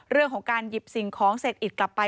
เรื่องของการหยิบสิ่งของเสร็จอิดกลับไป